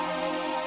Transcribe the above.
tidak ada yang